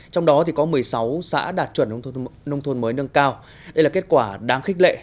trong đó có một mươi sáu xã đạt chuẩn nông thôn mới nâng cao đây là kết quả đáng khích lệ